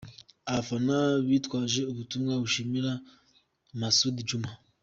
Abafana bitwaje ubutumwa bushimira Masud Djuma.